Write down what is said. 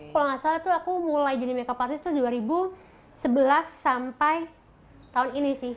kalau gak salah tuh aku mulai jadi make up artist tuh dua ribu sebelas sampai tahun ini sih